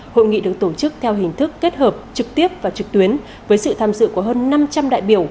hội nghị được tổ chức theo hình thức kết hợp trực tiếp và trực tuyến với sự tham dự của hơn năm trăm linh đại biểu